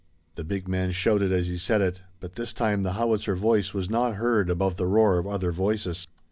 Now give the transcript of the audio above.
'" The big man shouted as he said it, but this time the howitzer voice was not heard above the roar of other voices.